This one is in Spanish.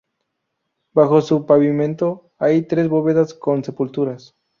Bajo su pavimento hay tres bóvedas con sepulturas.